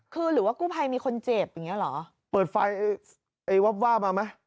คือหรือว่ากู้ภัยมีคนเจ็บอย่างเงี้เหรอเปิดไฟไอ้วับวาบมาไหม